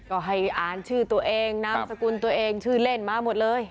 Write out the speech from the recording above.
ก็ให้อ่านชื่อตัวเองนามสกุลตัวเองชื่อเล่นมาหมดเลย